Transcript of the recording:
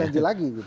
janji lagi gitu